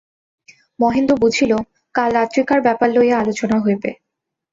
মহেন্দ্র বুঝিল, কাল রাত্রিকার ব্যাপার লইয়া আলোচনা হইবে।